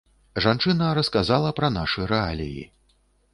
Жанчына расказала пра нашы рэаліі.